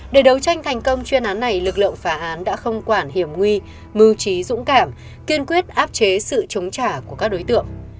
để đấu tranh thành công chuyên án này lực lượng phá án đã không quản hiểm nguy mưu trí dũng cảm kiên quyết áp chế sự chống trả của các đối tượng